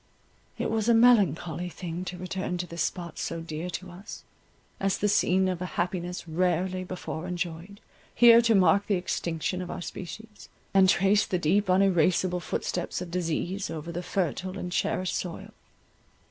It was a melancholy thing to return to this spot so dear to us, as the scene of a happiness rarely before enjoyed, here to mark the extinction of our species, and trace the deep uneraseable footsteps of disease over the fertile and cherished soil.